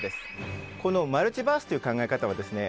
このマルチバースという考え方はですね